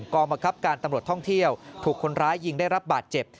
กองบังคับการตำรวจท่องเที่ยวถูกคนร้ายยิงได้รับบาดเจ็บ